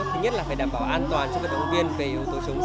thứ nhất là phải đảm bảo an toàn cho các động viên về yếu tố chống dịch